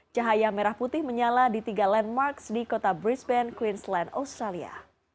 cahaya merah putih menyala di tiga landmarks di kota brisbane queensland australia